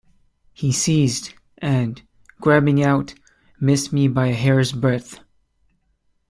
He ceased, and, grabbing out, missed me by a hair's breadth.